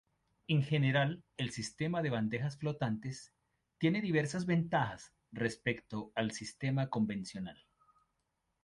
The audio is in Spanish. En general el sistema de bandejas flotantes tiene diversas ventajas respecto al sistema convencional.